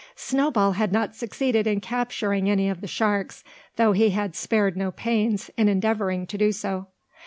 Snowball had not succeeded in capturing any of the sharks, though he had spared no pains in endeavouring to do so.